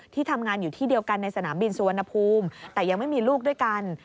ทำงานอยู่ที่เดียวกันในสนามบินสุวรรณภูมิแต่ยังไม่มีลูกด้วยกัน